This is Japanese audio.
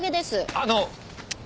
あの！